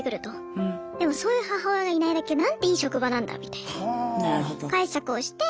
でもそういう母親がいないだけなんていい職場なんだみたいな解釈をして。